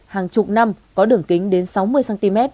hàng chục năm có đường kính đến sáu mươi cm